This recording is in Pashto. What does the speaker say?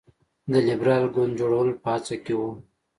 د لېبرال ګوند جوړولو په هڅه کې وو.